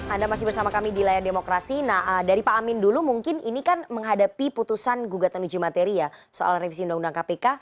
anda masih bersama kami di layar demokrasi nah dari pak amin dulu mungkin ini kan menghadapi putusan gugatan uji materi ya soal revisi undang undang kpk